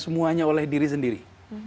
semuanya oleh diri sendiri